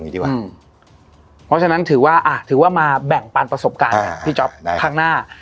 เพราะฉะนั้นถือว่าถือว่ามาแบ่งปันประสบการณ์พี่จ๊อปข้างหน้า